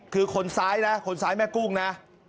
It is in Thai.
คือคนซ้ายนะคนซ้ายแม่กุ้งนะ